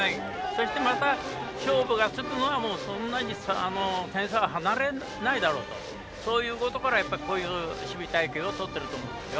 そして、ショートがつくのがそんなに点差が離れないだろうとそういうことからこういう守備隊形をとっていると思います。